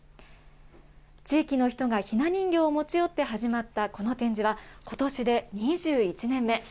地域の人がひな人形を持ち寄って始まったこの展示は、ことしで２１年目。